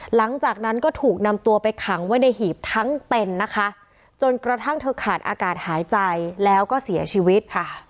หลังจากนั้นก็ถูกนำตัวไปขังไว้ในหีบทั้งเต็นต์นะคะจนกระทั่งเธอขาดอากาศหายใจแล้วก็เสียชีวิตค่ะ